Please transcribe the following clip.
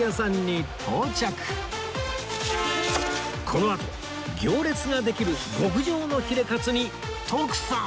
このあと行列ができる極上のヒレカツに徳さん